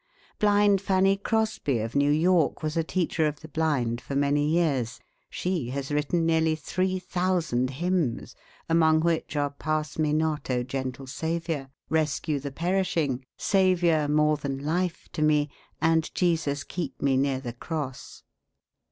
Blind Fanny Crosby, of New York, was a teacher of the blind for many years. She has written nearly three thousand hymns, among which are: "Pass Me not, O Gentle Saviour," "Rescue the Perishing," "Saviour More than Life to Me," and "Jesus keep Me near the Cross."